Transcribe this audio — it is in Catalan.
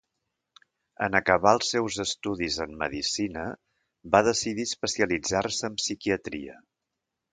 En acabar els seus estudis en medicina, va decidir especialitzar-se en psiquiatria.